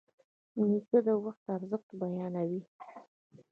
نیکه د وخت ارزښت بیانوي.